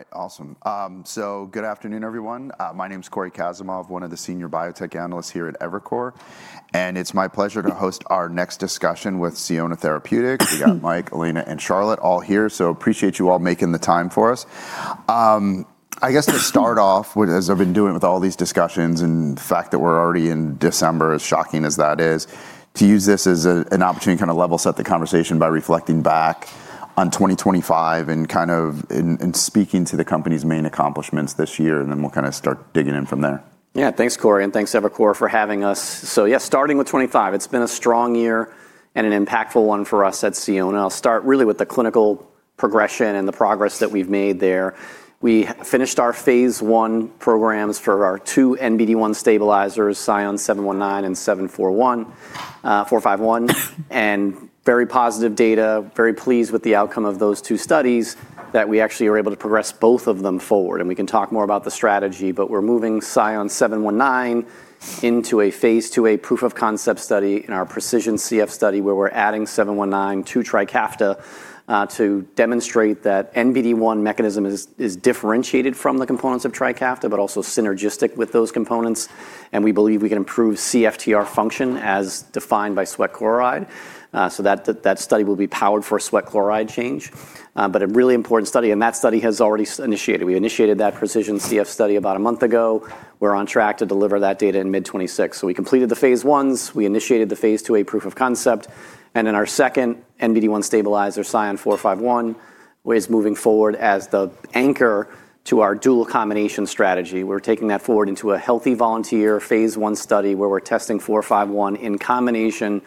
All right, awesome, so good afternoon, everyone. My name is Cory Kasimov, one of the senior biotech analysts here at Evercore, and it's my pleasure to host our next discussion with Sionna Therapeutics. We got Mike, Elena, and Charlotte all here, so appreciate you all making the time for us. I guess to start off, as I've been doing with all these discussions and the fact that we're already in December, as shocking as that is, to use this as an opportunity to kind of level set the conversation by reflecting back on 2025 and kind of speaking to the company's main accomplishments this year, and then we'll kind of start digging in from there. Yeah, thanks, Cory, and thanks, Evercore, for having us. Yeah, starting with 2025, it's been a strong year and an impactful one for us at Sionna. I'll start really with the clinical progression and the progress that we've made there. We finished our phase I programs for our two NBD1 stabilizers, SION-719 and SION-451, and very positive data. Very pleased with the outcome of those two studies that we actually were able to progress both of them forward. We can talk more about the strategy, but we're moving SION-719 into a phase II proof of concept study in our Precision CF study where we're adding 719 to Trikafta to demonstrate that NBD1 mechanism is differentiated from the components of Trikafta, but also synergistic with those components. We believe we can improve CFTR function as defined by sweat chloride. So that study will be powered for sweat chloride change. But a really important study, and that study has already initiated. We initiated that Precision CF study about a month ago. We're on track to deliver that data in mid-2026. So we completed the phase Is, we initiated the phase II proof of concept, and then our second NBD1 stabilizer, SION-451, is moving forward as the anchor to our dual combination strategy. We're taking that forward into a healthy volunteer phase I study where we're testing 451 in combination with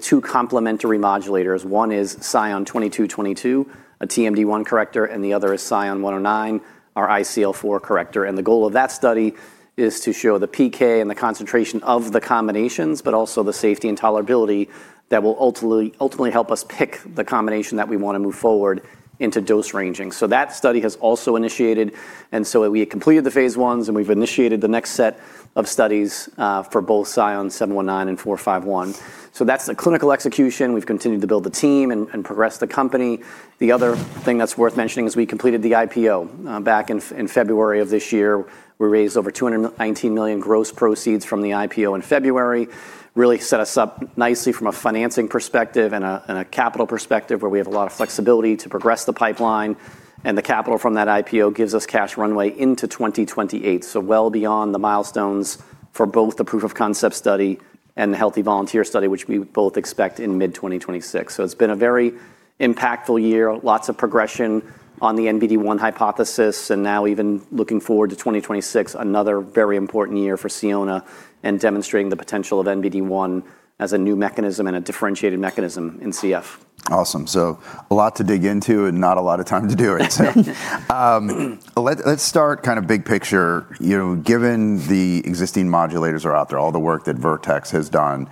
two complementary modulators. One is SION-2222, a TMD1 corrector, and the other is SION-109, our ICL4 corrector. The goal of that study is to show the PK and the concentration of the combinations, but also the safety and tolerability that will ultimately help us pick the combination that we want to move forward into dose ranging. That study has also initiated. We completed the phase Is and we've initiated the next set of studies for both SION-719 and 451. That's the clinical execution. We've continued to build the team and progress the company. The other thing that's worth mentioning is we completed the IPO back in February of this year. We raised over $219 million gross proceeds from the IPO in February, really set us up nicely from a financing perspective and a capital perspective where we have a lot of flexibility to progress the pipeline. And the capital from that IPO gives us cash runway into 2028, so well beyond the milestones for both the proof of concept study and the healthy volunteer study, which we both expect in mid-2026. So it's been a very impactful year, lots of progression on the NBD1 hypothesis, and now even looking forward to 2026, another very important year for Sionna and demonstrating the potential of NBD1 as a new mechanism and a differentiated mechanism in CF. Awesome. So a lot to dig into and not a lot of time to do it. So let's start kind of big picture. Given the existing modulators are out there, all the work that Vertex has done,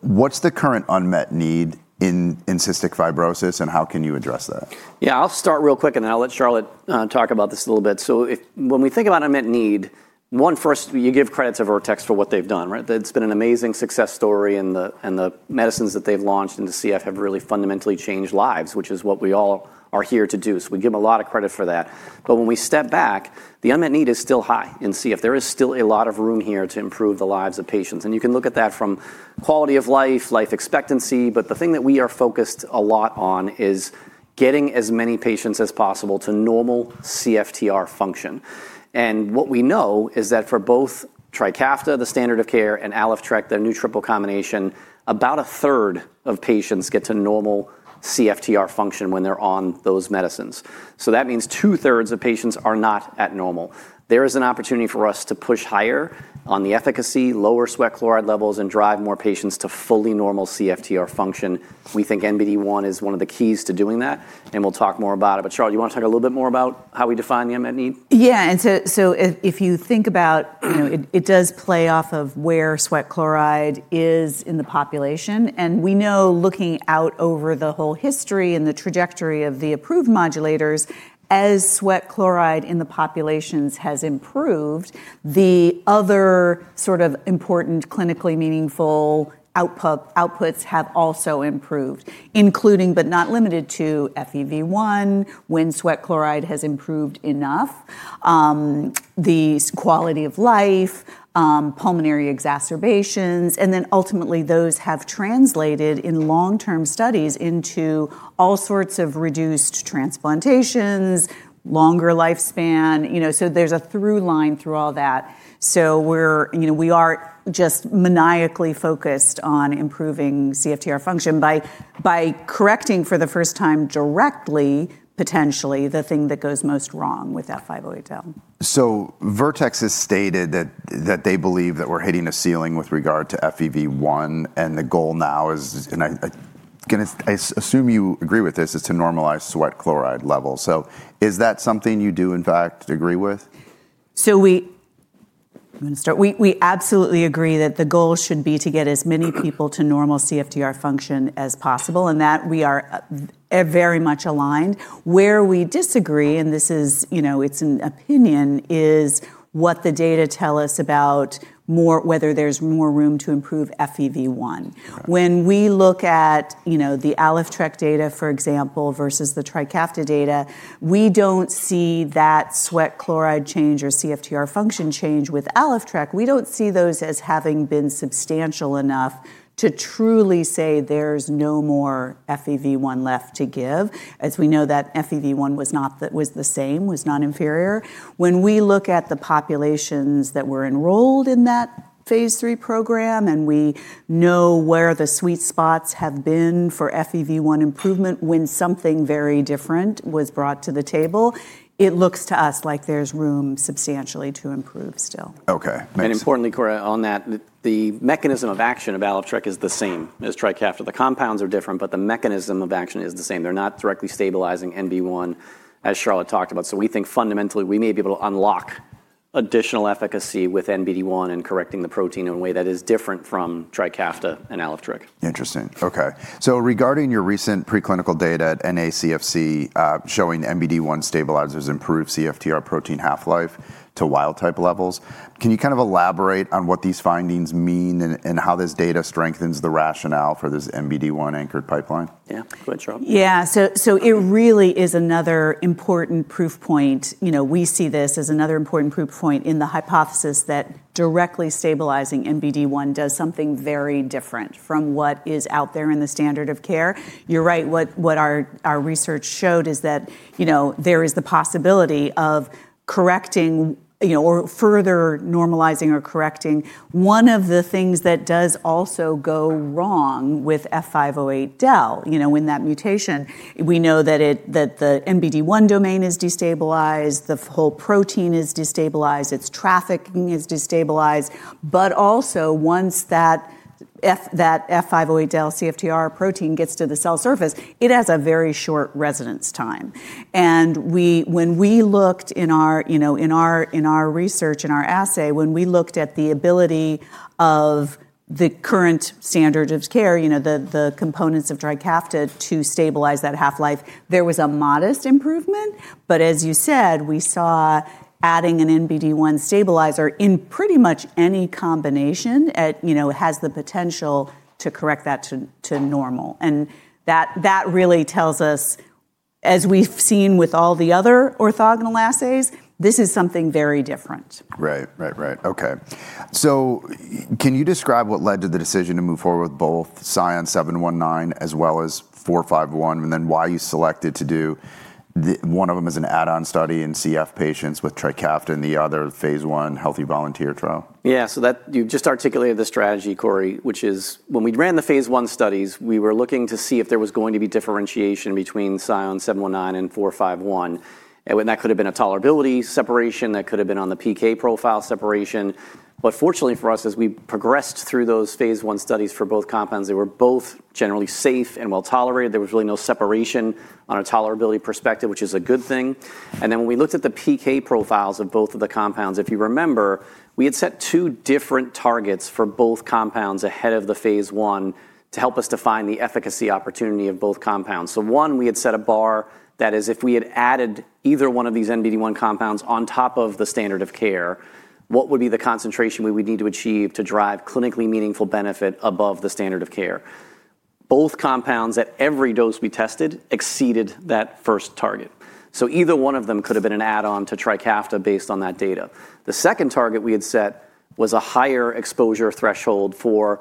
what's the current unmet need in cystic fibrosis and how can you address that? Yeah, I'll start real quick and then I'll let Charlotte talk about this a little bit. So when we think about unmet need, one, first you give credit to Vertex for what they've done, right? It's been an amazing success story and the medicines that they've launched into CF have really fundamentally changed lives, which is what we all are here to do. So we give them a lot of credit for that. But when we step back, the unmet need is still high in CF. There is still a lot of room here to improve the lives of patients. And you can look at that from quality of life, life expectancy, but the thing that we are focused a lot on is getting as many patients as possible to normal CFTR function. What we know is that for both Trikafta, the standard of care, and ALYFTREK, the new triple combination, about a third of patients get to normal CFTR function when they're on those medicines. So that means two thirds of patients are not at normal. There is an opportunity for us to push higher on the efficacy, lower sweat chloride levels, and drive more patients to fully normal CFTR function. We think NBD1 is one of the keys to doing that, and we'll talk more about it. But Charlotte, do you want to talk a little bit more about how we define the unmet need? Yeah, and so if you think about it, it does play off of where sweat chloride is in the population. And we know, looking out over the whole history and the trajectory of the approved modulators, as sweat chloride in the populations has improved, the other sort of important clinically meaningful outputs have also improved, including but not limited to FEV1. When sweat chloride has improved enough, the quality of life, pulmonary exacerbations, and then ultimately those have translated in long-term studies into all sorts of reduced transplantations, longer lifespan. So there's a through line through all that. So we're just maniacally focused on improving CFTR function by correcting for the first time directly, potentially, the thing that goes most wrong with that F508del. So Vertex has stated that they believe that we're hitting a ceiling with regard to FEV1, and the goal now is, and I assume you agree with this, it's to normalize sweat chloride levels. So is that something you do, in fact, agree with? So we absolutely agree that the goal should be to get as many people to normal CFTR function as possible, and that we are very much aligned. Where we disagree, and this is an opinion, is what the data tell us about whether there's more room to improve FEV1. When we look at the ALYFTREK data, for example, versus the Trikafta data, we don't see that sweat chloride change or CFTR function change with ALYFTREK. We don't see those as having been substantial enough to truly say there's no more FEV1 left to give, as we know that FEV1 was the same, was not inferior. When we look at the populations that were enrolled in that phase III program, and we know where the sweet spots have been for FEV1 improvement when something very different was brought to the table, it looks to us like there's room substantially to improve still. Okay. And importantly, Cory, on that, the mechanism of action of ALYFTREK is the same as Trikafta. The compounds are different, but the mechanism of action is the same. They're not directly stabilizing NBD1, as Charlotte talked about. So we think fundamentally we may be able to unlock additional efficacy with NBD1 and correcting the protein in a way that is different from Trikafta and ALYFTREK. Interesting. Okay. So regarding your recent preclinical data at NACFC showing NBD1 stabilizers improve CFTR protein half-life to wild-type levels, can you kind of elaborate on what these findings mean and how this data strengthens the rationale for this NBD1 anchored pipeline? Yeah, go ahead, Charlotte. Yeah, so it really is another important proof point. We see this as another important proof point in the hypothesis that directly stabilizing NBD1 does something very different from what is out there in the standard of care. You're right, what our research showed is that there is the possibility of correcting or further normalizing or correcting one of the things that does also go wrong with F508del in that mutation. We know that the NBD1 domain is destabilized, the whole protein is destabilized, its trafficking is destabilized, but also once that F508del CFTR protein gets to the cell surface, it has a very short residence time, and when we looked in our research, in our assay, when we looked at the ability of the current standard of care, the components of Trikafta to stabilize that half-life, there was a modest improvement. But as you said, we saw adding an NBD1 stabilizer in pretty much any combination has the potential to correct that to normal, and that really tells us, as we've seen with all the other orthogonal assays, this is something very different. Right, right, right. Okay. So can you describe what led to the decision to move forward with both SION-719 as well as 451, and then why you selected to do one of them as an add-on study in CF patients with Trikafta and the other phase I healthy volunteer trial? Yeah, so you just articulated the strategy, Cory, which is when we ran the phase I studies, we were looking to see if there was going to be differentiation between SION-719 and 451. And that could have been a tolerability separation, that could have been on the PK profile separation. But fortunately for us, as we progressed through those phase 1 studies for both compounds, they were both generally safe and well tolerated. There was really no separation on a tolerability perspective, which is a good thing. And then when we looked at the PK profiles of both of the compounds, if you remember, we had set two different targets for both compounds ahead of the phase I to help us define the efficacy opportunity of both compounds. So, one, we had set a bar that is if we had added either one of these NBD1 compounds on top of the standard of care, what would be the concentration we would need to achieve to drive clinically meaningful benefit above the standard of care. Both compounds at every dose we tested exceeded that first target. So either one of them could have been an add-on to Trikafta based on that data. The second target we had set was a higher exposure threshold for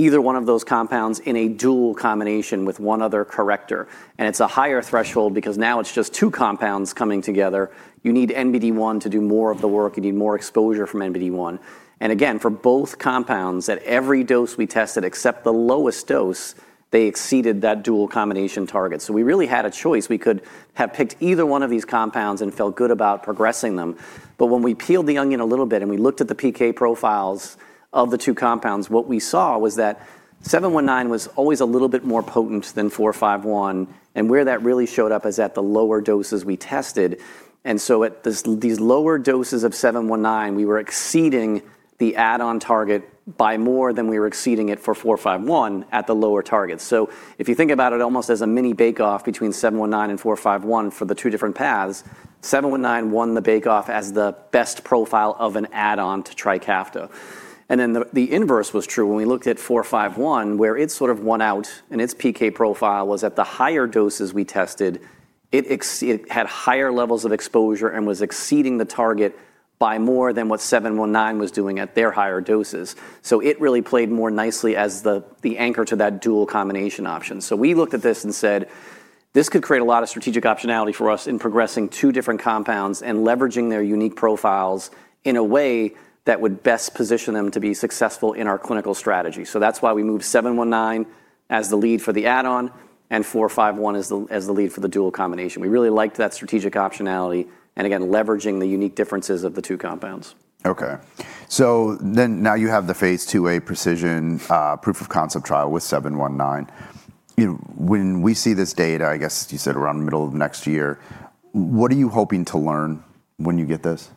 either one of those compounds in a dual combination with one other corrector. And it's a higher threshold because now it's just two compounds coming together. You need NBD1 to do more of the work. You need more exposure from NBD1. And again, for both compounds at every dose we tested except the lowest dose, they exceeded that dual combination target. So we really had a choice. We could have picked either one of these compounds and felt good about progressing them. But when we peeled the onion a little bit and we looked at the PK profiles of the two compounds, what we saw was that 719 was always a little bit more potent than 451. And where that really showed up is at the lower doses we tested. And so at these lower doses of 719, we were exceeding the add-on target by more than we were exceeding it for 451 at the lower target. So if you think about it almost as a mini bake-off between 719 and 451 for the two different paths, 719 won the bake-off as the best profile of an add-on to Trikafta. And then the inverse was true when we looked at 451, where it sort of won out and its PK profile was at the higher doses we tested. It had higher levels of exposure and was exceeding the target by more than what 719 was doing at their higher doses. So it really played more nicely as the anchor to that dual combination option. So we looked at this and said, this could create a lot of strategic optionality for us in progressing two different compounds and leveraging their unique profiles in a way that would best position them to be successful in our clinical strategy. So that's why we moved 719 as the lead for the add-on and 451 as the lead for the dual combination. We really liked that strategic optionality and again, leveraging the unique differences of the two compounds. Okay. So then now you have the phase II-A precision proof of concept trial with 719. When we see this data, I guess you said around the middle of next year, what are you hoping to learn when you get this?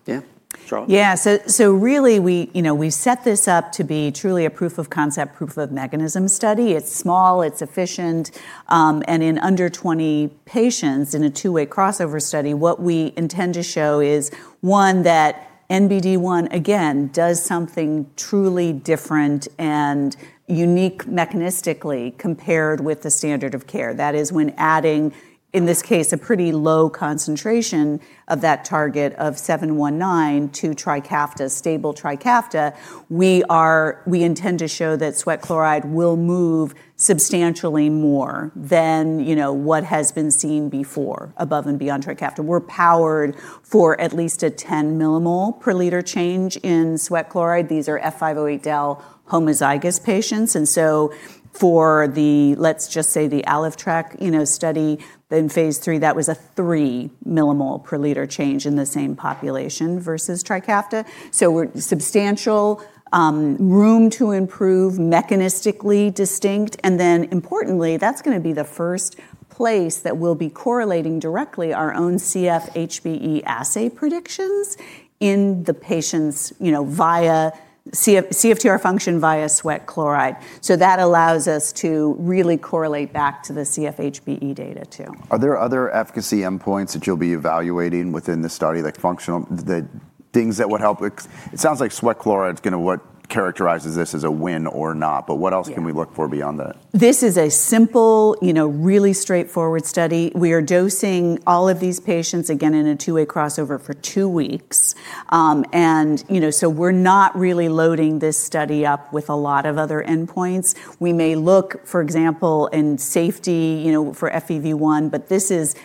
Yeah, Charlotte? Yeah. So really we set this up to be truly a proof of concept, proof of mechanism study. It's small. It's efficient. In under 20 patients in a two-way crossover study, what we intend to show is one, that NBD1, again, does something truly different and unique mechanistically compared with the standard of care. That is when adding, in this case, a pretty low concentration of that target of 719 to Trikafta, stable Trikafta, we intend to show that sweat chloride will move substantially more than what has been seen before, above and beyond Trikafta. We're powered for at least a 10 mmol/L change in sweat chloride. These are F508del homozygous patients. For the, let's just say the ALYFTREK study in phase III, that was a 3 mmol/L change in the same population versus Trikafta. We're substantial, room to improve, mechanistically distinct. And then importantly, that's going to be the first place that we'll be correlating directly our own CF-HBE assay predictions in the patients via CFTR function via sweat chloride. So that allows us to really correlate back to the CF-HBE data too. Are there other efficacy endpoints that you'll be evaluating within the study, like things that would help? It sounds like sweat chloride is going to characterize this as a win or not, but what else can we look for beyond that? This is a simple, really straightforward study. We are dosing all of these patients, again, in a two-way crossover for two weeks, and so we're not really loading this study up with a lot of other endpoints. We may look, for example, in safety for FEV1, but this is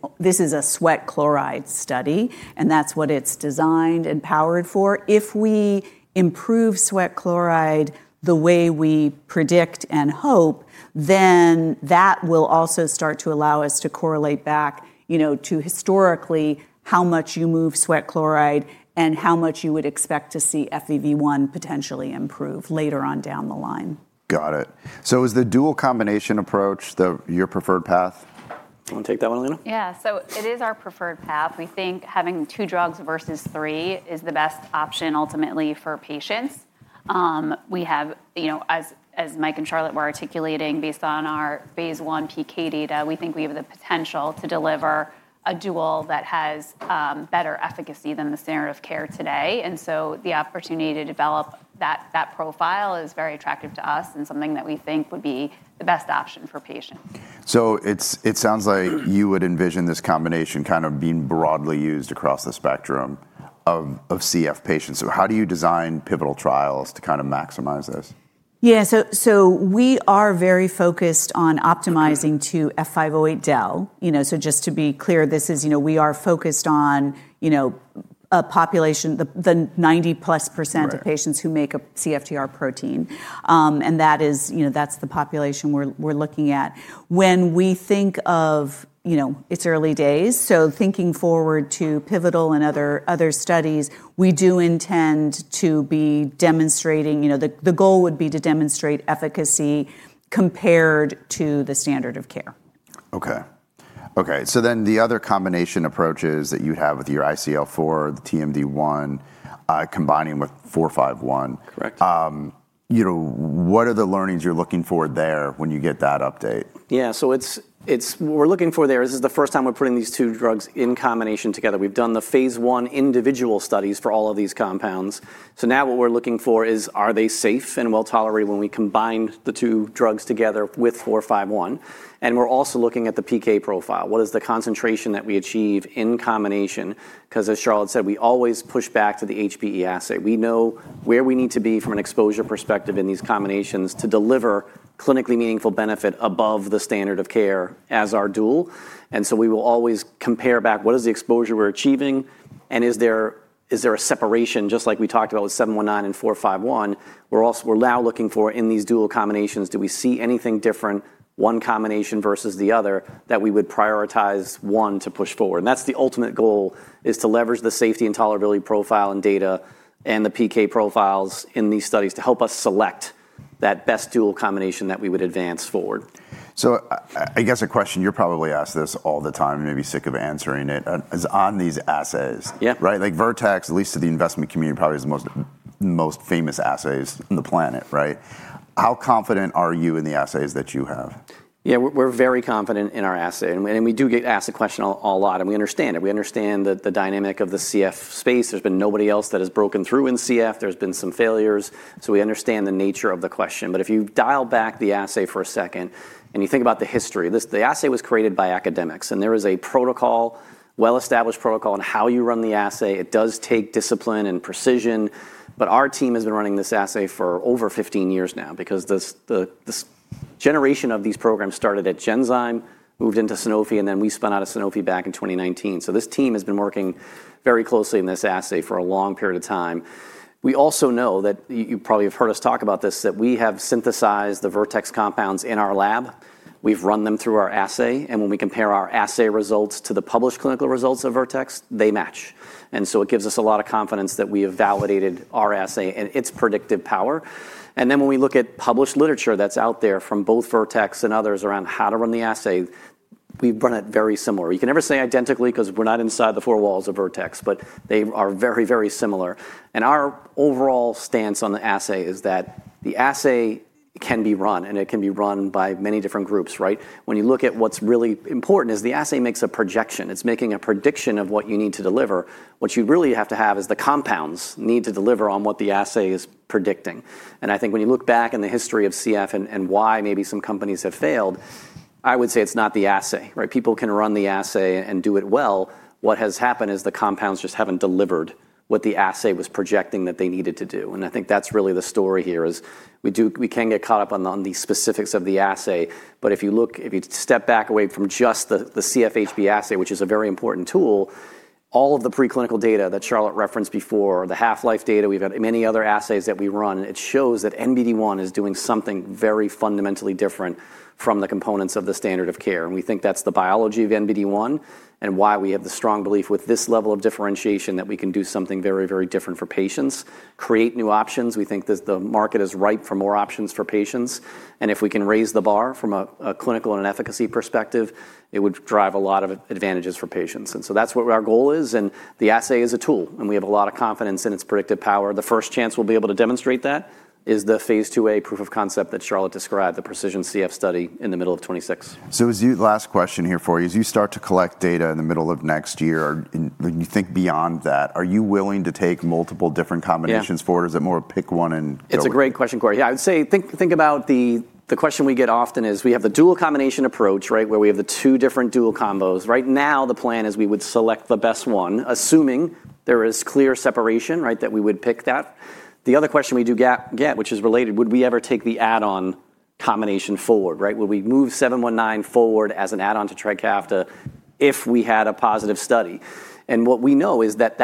a sweat chloride study, and that's what it's designed and powered for. If we improve sweat chloride the way we predict and hope, then that will also start to allow us to correlate back to historically how much you move sweat chloride and how much you would expect to see FEV1 potentially improve later on down the line. Got it. So is the dual combination approach your preferred path? You want to take that one, Elena? Yeah, so it is our preferred path. We think having two drugs versus three is the best option ultimately for patients. We have, as Mike and Charlotte were articulating, based on our phase I PK data, we think we have the potential to deliver a dual that has better efficacy than the standard of care today, and so the opportunity to develop that profile is very attractive to us and something that we think would be the best option for patients. So it sounds like you would envision this combination kind of being broadly used across the spectrum of CF patients. So how do you design pivotal trials to kind of maximize this? Yeah. So we are very focused on optimizing to F508del. So just to be clear, this is we are focused on a population, the 90%+ of patients who make a CFTR protein. And that's the population we're looking at. When we think of it's early days, so thinking forward to pivotal and other studies, we do intend to be demonstrating the goal would be to demonstrate efficacy compared to the standard of care. Okay. So then the other combination approaches that you have with your ICL4, the TMD1, combining with 451. Correct. What are the learnings you're looking for there when you get that update? Yeah. So what we're looking for there, this is the first time we're putting these two drugs in combination together. We've done the phase I individual studies for all of these compounds. So now what we're looking for is, are they safe and well tolerated when we combine the two drugs together with 451? And we're also looking at the PK profile. What is the concentration that we achieve in combination? Because as Charlotte said, we always push back to the HBE assay. We know where we need to be from an exposure perspective in these combinations to deliver clinically meaningful benefit above the standard of care as our dual. And so we will always compare back, what is the exposure we're achieving? And is there a separation, just like we talked about with 719 and 451, we're now looking for in these dual combinations, do we see anything different, one combination versus the other, that we would prioritize one to push forward? And that's the ultimate goal, is to leverage the safety and tolerability profile and data and the PK profiles in these studies to help us select that best dual combination that we would advance forward. So I guess a question you're probably asked this all the time, maybe sick of answering it, is on these assays, right? Like Vertex, at least to the investment community, probably is the most famous assays on the planet, right? How confident are you in the assays that you have? Yeah, we're very confident in our assay, and we do get asked the question a lot, and we understand it. We understand the dynamic of the CF space. There's been nobody else that has broken through in CF. There's been some failures, so we understand the nature of the question, but if you dial back the assay for a second and you think about the history, the assay was created by academics, and there is a protocol, well-established protocol on how you run the assay. It does take discipline and precision, but our team has been running this assay for over 15 years now because this generation of these programs started at Genzyme, moved into Sanofi, and then we spun out of Sanofi back in 2019, so this team has been working very closely in this assay for a long period of time. We also know that you probably have heard us talk about this, that we have synthesized the Vertex compounds in our lab. We've run them through our assay. And when we compare our assay results to the published clinical results of Vertex, they match. And so it gives us a lot of confidence that we have validated our assay and its predictive power. And then when we look at published literature that's out there from both Vertex and others around how to run the assay, we run it very similar. You can never say identically because we're not inside the four walls of Vertex, but they are very, very similar. And our overall stance on the assay is that the assay can be run and it can be run by many different groups, right? When you look at what's really important is the assay makes a projection. It's making a prediction of what you need to deliver. What you really have to have is the compounds need to deliver on what the assay is predicting. And I think when you look back in the history of CF and why maybe some companies have failed, I would say it's not the assay, right? People can run the assay and do it well. What has happened is the compounds just haven't delivered what the assay was projecting that they needed to do. And I think that's really the story here, is we can get caught up on the specifics of the assay. But if you step back away from just the CF-HBE assay, which is a very important tool, all of the preclinical data that Charlotte referenced before, the half-life data, we've had many other assays that we run. It shows that NBD1 is doing something very fundamentally different from the components of the standard of care, and we think that's the biology of NBD1 and why we have the strong belief with this level of differentiation that we can do something very, very different for patients, create new options. We think the market is ripe for more options for patients, and if we can raise the bar from a clinical and an efficacy perspective, it would drive a lot of advantages for patients, and so that's what our goal is, and the assay is a tool, and we have a lot of confidence in its predictive power. The first chance we'll be able to demonstrate that is the phase two A proof of concept that Charlotte described, the Precision CF study in the middle of 2026. So last question here for you. As you start to collect data in the middle of next year, when you think beyond that, are you willing to take multiple different combinations forward? Is it more pick one and go? It's a great question, Cory. Yeah, I would say think about the question we get often is we have the dual combination approach, right, where we have the two different dual combos. Right now, the plan is we would select the best one, assuming there is clear separation, right, that we would pick that. The other question we do get, which is related, would we ever take the add-on combination forward, right? Would we move 719 forward as an add-on to Trikafta if we had a positive study? And what we know is that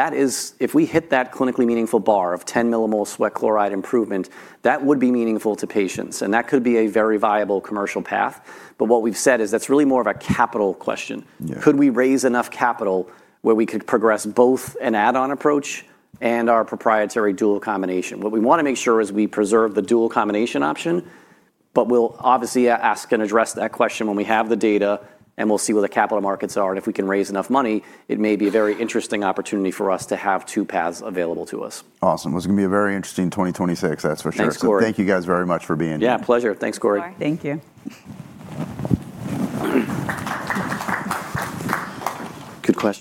if we hit that clinically meaningful bar of 10 mmol sweat chloride improvement, that would be meaningful to patients. And that could be a very viable commercial path. But what we've said is that's really more of a capital question. Could we raise enough capital where we could progress both an add-on approach and our proprietary dual combination? What we want to make sure is we preserve the dual combination option, but we'll obviously ask and address that question when we have the data and we'll see where the capital markets are, and if we can raise enough money, it may be a very interesting opportunity for us to have two paths available to us. Awesome. It's going to be a very interesting 2026, that's for sure. Thanks, Cory. Thank you guys very much for being here. Yeah, pleasure. Thanks, Cory. Thank you. Good question.